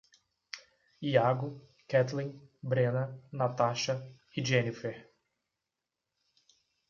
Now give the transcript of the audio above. Hiago, Ketlin, Brena, Natasha e Jeniffer